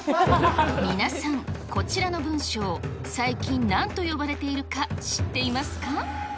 皆さん、こちらの文章、最近、なんと呼ばれているか知っていますか？